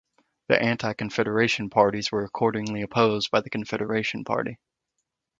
The Anti-Confederation parties were accordingly opposed by the Confederation Party.